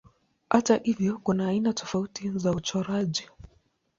Hata hivyo kuna aina tofauti za uchoraji.